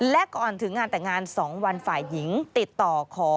และก่อนถึงงานแต่งงาน๒วันฝ่ายหญิงติดต่อขอ